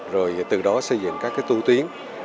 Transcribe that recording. rồi từ đó xây dựng các cái tu tiến